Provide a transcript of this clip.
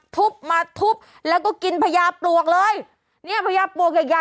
ทุบมาทุบแล้วก็กินพญาปลวกเลยเนี่ยพญาปลวกใหญ่ใหญ่